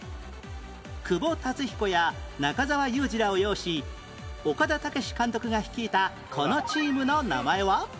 久保竜彦や中澤佑二らを擁し岡田武史監督が率いたこのチームの名前は？